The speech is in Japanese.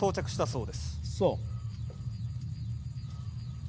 そう。